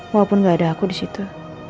walaupun gak ada aku disitu